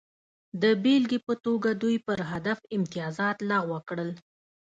د بېلګې په توګه دوی پر هدف امتیازات لغوه کړل